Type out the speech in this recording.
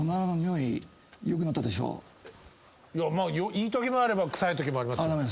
いいときもあれば臭いときもあります。